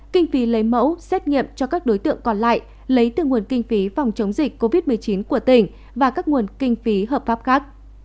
kinh phí lấy mẫu xét nghiệm cho các đối tượng còn lại lấy từ nguồn kinh phí phòng chống dịch covid một mươi chín của tỉnh và các nguồn kinh phí hợp pháp khác